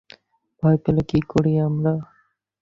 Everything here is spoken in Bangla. ভয় পেলে কী করি আমরা?